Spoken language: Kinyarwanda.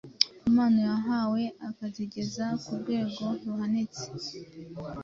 impano yahawe akazigeza ku rwego ruhanitse;